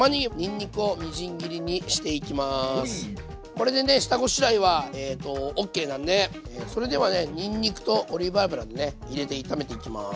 これでね下ごしらえはオッケーなんでそれではねにんにくとオリーブ油でね入れて炒めていきます。